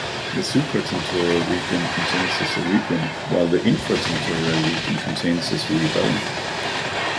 The supratentorial region contains the cerebrum, while the infratentorial region contains the cerebellum.